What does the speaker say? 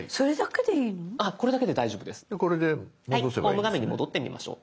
ホーム画面に戻ってみましょう。